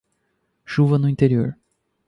Chuva no interior